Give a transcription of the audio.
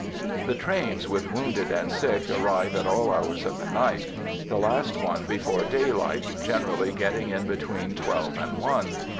The trains with wounded and sick arrive at all hours of the night; the last one before daylight, generally getting in between twelve and one.